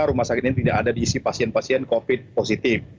rumah sakit ini tidak ada diisi pasien pasien covid positif